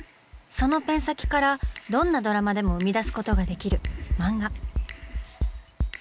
そのペン先からどんなドラマでも生み出すことができる「漫画」。